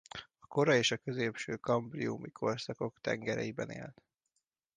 A kora és középső kambriumi korszakok tengereiben élt.